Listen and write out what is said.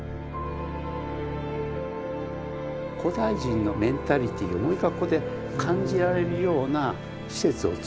古代人のメンタリティーをもう一回ここで感じられるような施設を作ってみたいな。